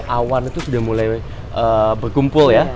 awan itu sudah mulai berkumpul ya